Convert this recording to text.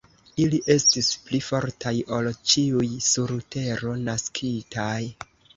Ili estis pli fortaj ol ĉiuj, sur tero naskitaj.